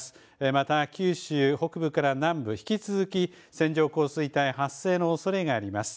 また九州北部から南部、引き続き線状降水帯発生のおそれがあります。